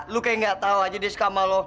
lu kayak gak tahu aja dia suka sama lu